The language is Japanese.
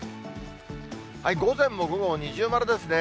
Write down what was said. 午前も午後も二重丸ですね。